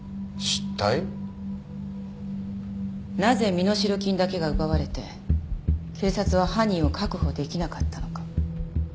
なぜ身代金だけが奪われて警察は犯人を確保出来なかったのか。